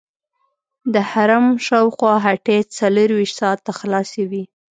د حرم شاوخوا هټۍ څلورویشت ساعته خلاصې وي.